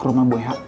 terima kasih pak